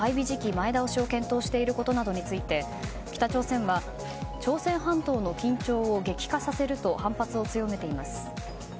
前倒しを検討していることなどについて北朝鮮は朝鮮半島の緊張を激化させると反発を強めています。